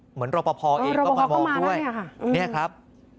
เหมือนรบพเองก็มามองด้วยนี่ครับ